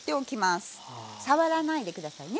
触らないで下さいね